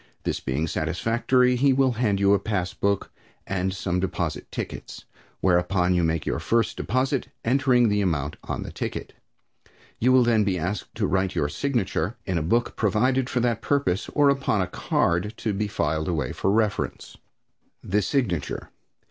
This being satisfactory, he will hand you a passbook, and some deposit tickets, whereupon you make your first deposit, entering the amount on the ticket. You will then be asked to write your signature in a book provided for that purpose, or upon a card to be filed away for reference. The Signature.